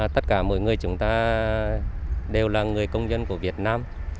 tất cả mỗi người chúng ta đều là người công dân của việt nam